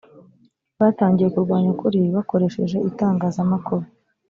batangiye kurwanya ukuri bakoresheje itangazamakuru